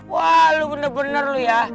wah lu bener bener lu ya